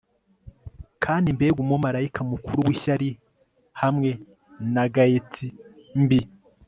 Kandi mbega umumarayika mukuru wishyari hamwe na gaieties mbi